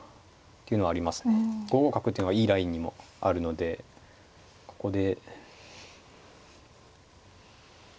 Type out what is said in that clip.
５五角っていうのがいいラインにもあるのでここで。